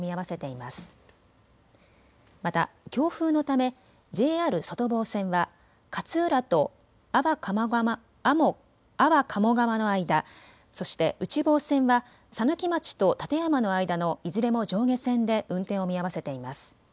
また強風のためＪＲ外房線は勝浦と安房鴨川の間、そして内房線は佐貫町と館山の間のいずれも上下線で運転を見合わせています。